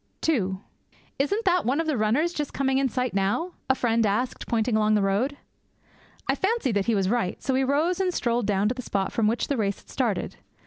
II 'Isn't that one of the runners just coming in sight now?' a friend asked, pointing along the road. I fancied that he was right, so we rose and strolled down to the spot from which the race had started.